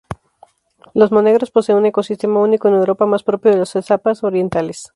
Los Monegros posee un ecosistema único en Europa más propio de las estepas orientales.